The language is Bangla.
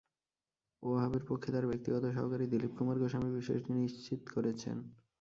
ওয়াহাবের পক্ষে তাঁর ব্যক্তিগত সহকারী দিলীপ কুমার গোস্বামী বিষয়টি নিশ্চিত করেছেন।